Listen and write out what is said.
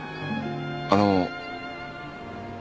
あの。